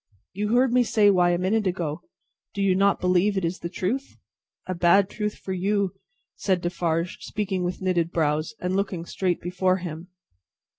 "You heard me say why, a minute ago. Do you not believe it is the truth?" "A bad truth for you," said Defarge, speaking with knitted brows, and looking straight before him.